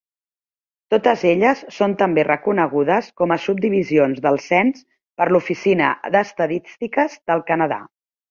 Totes elles són també reconegudes com a subdivisions del cens per l'Oficina d'Estadístiques del Canadà.